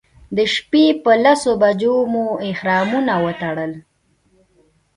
د شپې په لسو بجو مو احرامونه وتړل.